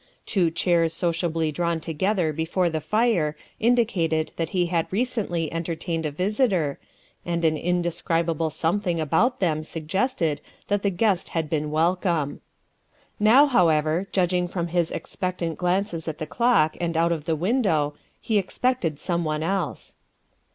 Two chairs sociably drawn together before the fire indicated that he had recently entertained a visitor, and an indescribable some thing about them suggested that the guest had been welcome. Now, however, judging from his expectant glances at the clock and out of the window, he expected someone else.